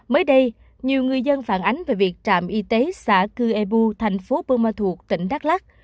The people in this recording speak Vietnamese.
mới đây nhiều người dân phản ánh về việc trạm y tế xã cư ê bu thành phố buôn ma thuột tỉnh đắk lắc